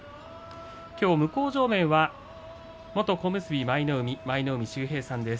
向正面は元小結の舞の海秀平さんです。